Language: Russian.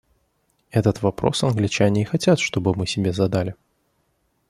Этот вопрос англичане и хотят, чтобы мы себе задали.